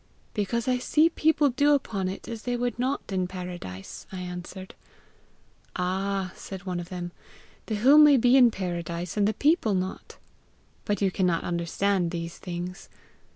'Because I see people do upon it as they would not in paradise,' I answered. 'Ah!' said one of them, 'the hill may be in paradise, and the people not! But you cannot understand these things.'